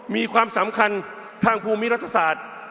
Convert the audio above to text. มีความสำคัญทางภูมิรัฐศาสตร์